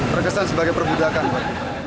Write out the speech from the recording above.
terkesan sebagai perbudakan buat kita